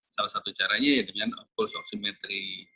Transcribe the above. salah satu caranya dengan pulse oksimetri